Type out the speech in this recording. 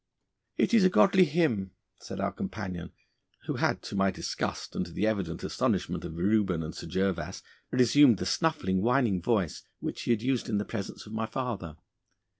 'It is a godly hymn,' said our companion, who had, to my disgust and to the evident astonishment of Reuben and Sir Gervas, resumed the snuffling, whining voice which he had used in the presence of my father.